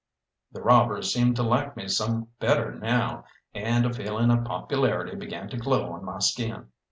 The robbers seemed to like me some better now, and a feeling of popularity began to glow on my skin.